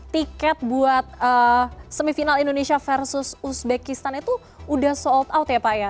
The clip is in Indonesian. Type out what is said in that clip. tiket buat semifinal indonesia versus uzbekistan itu udah sold out ya pak ya